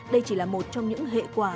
đây chỉ là một trong những hệ quả